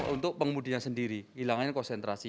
untuk pengemudinya sendiri hilangannya konsentrasi